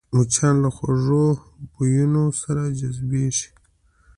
مچان له خوږو بویونو سره جذبېږي